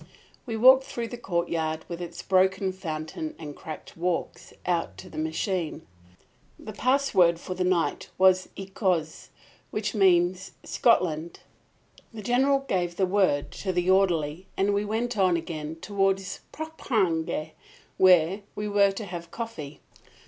We walked through the courtyard, with its broken fountain and cracked walks, out to the machine. The password for the night was "Écosse," which means "Scotland." The General gave the word to the orderly and we went on again toward Poperinghe, where we were to have coffee.